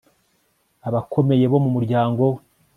abakomeye bo mu muryango we